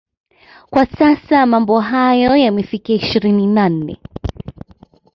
Kwa sasa mambo hayo yamefikia ishirini na nne